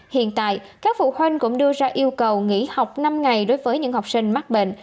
hiện tại các phụ huynh cũng đưa ra yêu cầu nghỉ học năm ngày đối với những học sinh mắc bệnh